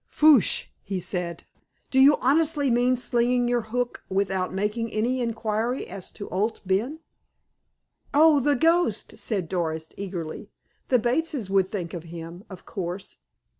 "Fouché," he said, "do you honestly mean slinging your hook without making any inquiry as to Owd Ben?" "Oh, the ghost!" said Doris eagerly. "The Bateses would think of him, of course.